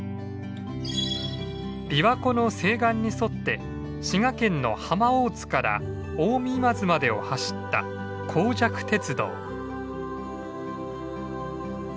琵琶湖の西岸に沿って滋賀県の浜大津から近江今津までを走った江若鉄道。